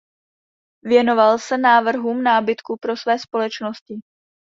Věnoval se návrhům nábytku pro své společnosti.